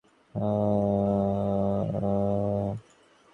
স্ত্রী, দুই ছেলে, এক মেয়ে আর আমার মা।